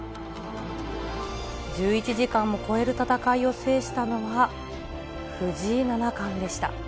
１１時間も超える戦いを制したのは、藤井七冠でした。